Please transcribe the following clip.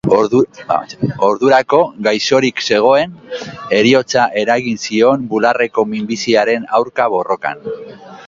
Ordurako gaixorik zegoen, heriotza eragin zion bularreko minbiziaren aurka borrokan.